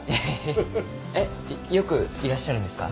えっよくいらっしゃるんですか？